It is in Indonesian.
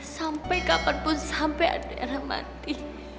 sampai kapanpun sampai adriana mati